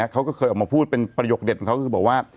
เขาก็เคยออกมาพูดเป็นประโยคเด็ดของเขาก็คือบอกว่า